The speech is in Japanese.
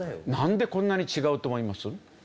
なんでこんな違うと思います？